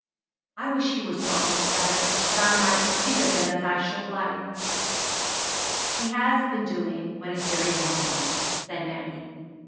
I wish he was not your brother, that I might speak of him as I should like." "He has been doing what is very wrong," said Maggie.